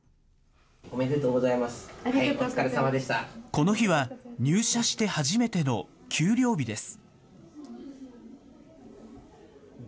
この日は、入社して初めての給料日です。